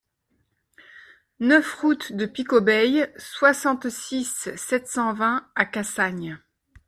neuf route de Picaubeil, soixante-six, sept cent vingt à Cassagnes